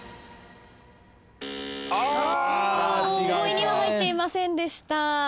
５位には入っていませんでした。